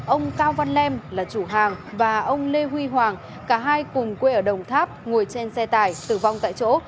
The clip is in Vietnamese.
ông cao văn lem là chủ hàng và ông lê huy hoàng cả hai cùng quê ở đồng tháp ngồi trên xe tải tử vong tại chỗ